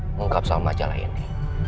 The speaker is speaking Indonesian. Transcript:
mengungkap soal majalah ini